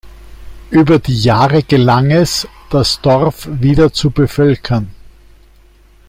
Über die Jahre gelang es, das Dorf wieder zu bevölkern.